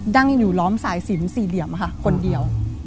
นั่งอยู่ล้อมสายสินสี่เหลี่ยมค่ะคนเดียว